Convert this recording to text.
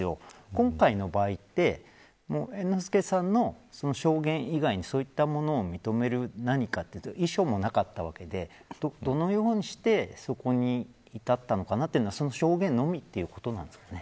今回の場合って猿之助さんの証言以外にそういったものを認める何か遺書もなかったわけでどのようにしてそこに至ったのかなというのが証言のみっていうことなんですかね。